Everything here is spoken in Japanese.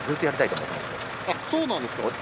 そうですね。